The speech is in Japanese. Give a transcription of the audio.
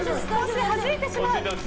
はじいてしまう。